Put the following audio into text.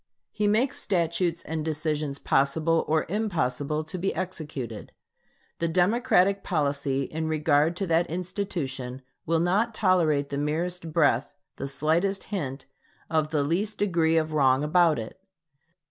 He makes statutes and decisions possible or impossible to be executed. The Democratic policy in regard to that institution will not tolerate the merest breath, the slightest hint, of the least degree of wrong about it.